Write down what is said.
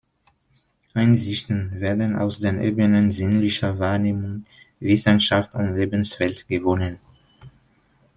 Einsichten werden aus den Ebenen sinnlicher Wahrnehmung, Wissenschaft und Lebenswelt gewonnen.